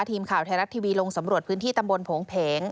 ทีมข่าวไทยรัฐทีวีลงสำรวจพื้นที่ตำบลโผงเพง